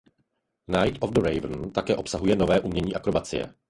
Night of the Raven také obsahuje nové umění akrobacie.